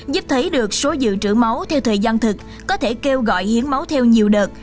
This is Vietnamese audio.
giúp thấy được số dự trữ máu theo thời gian thực có thể kêu gọi hiến máu theo nhiều đợt